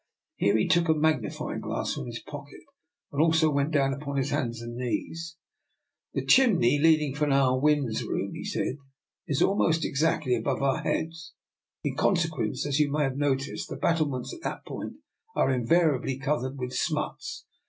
Here he took a magnifying glass from his pocket, and also went down upon his hands and knees. " The chimney leading from Ah Win's room," he 236 DR. NIKOLA'S EXPERIMENT. said, " is almost exactly above our heads. In consequence, as you may have noticed, the battlements at that point are invariably cov ered with smuts.